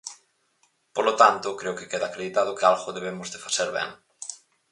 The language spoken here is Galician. Polo tanto, creo que queda acreditado que algo debemos de facer ben.